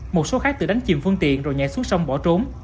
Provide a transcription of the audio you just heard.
một số khác tự đánh chìm phương tiện rồi nhảy xuống sông bỏ trốn